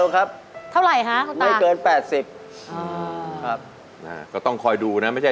คอยสกิดเหรอฮะ